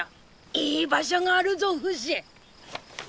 いい場所があるぞフシ！